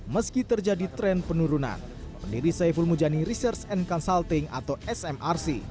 meski terjadi tren penurunan pendiri saiful mujani research and consulting atau smrc